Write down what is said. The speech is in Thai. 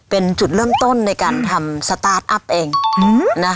เป็นจุดเริ่มต้นในการทำสตาร์ทอัพเองนะคะ